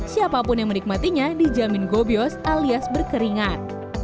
siapapun yang menikmatinya dijamin gobyos alias berkeringan